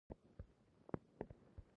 د بنګ پاڼې د بې حسی لپاره وکاروئ